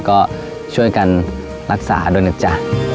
ก็ช่วยกันรักษาด้วยนะจ๊ะ